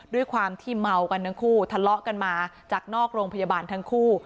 ด้วยความที่เมากันทั้งคู่ทะเลาะกันมาจากนอกโรงพยาบาลทั้งคู่